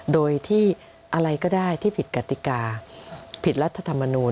โดยที่อะไรก็ได้ที่ผิดกติกาผิดรัฐธรรมนูล